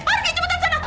pergi cepetan sana